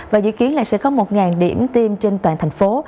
và dự kiến là sẽ có một điểm tiêm trên toàn thành phố